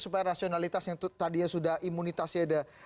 supaya rasionalitas yang tadi sudah imunitasnya